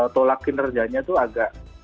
tolakin rejanya itu agak